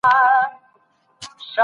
سازمانونه چیري د ازادي سوداګرۍ خبري کوي؟